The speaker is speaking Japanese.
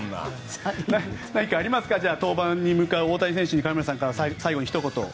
何か登板に向かう大谷選手について金村さんから最後にひと言。